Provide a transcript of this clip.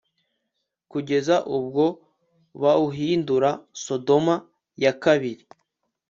kugeza ubwo bawuhindura Sodomu ya kabiri